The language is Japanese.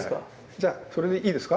じゃそれでいいですか？